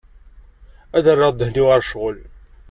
Ad rreɣ ddhen-iw ɣer ccɣel.